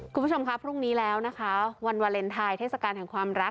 คุณผู้ชมครับพรุ่งนี้แล้วนะคะวันวาเลนไทยเทศกาลแห่งความรัก